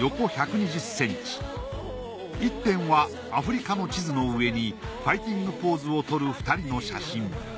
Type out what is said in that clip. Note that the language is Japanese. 大きさは１点はアフリカの地図の上にファイティングポーズをとる２人の写真。